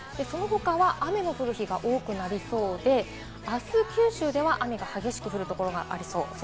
その他は雨の降る日が多くなりそうで、あす九州では雨が激しく降るところがありそうです。